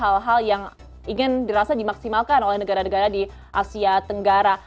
hal hal yang ingin dirasa dimaksimalkan oleh negara negara di asia tenggara